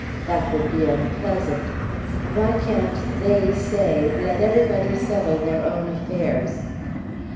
That would be unpleasant! Why can't "they say" let everybody settle their own affairs?